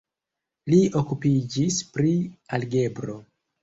Li okupiĝis pri algebro.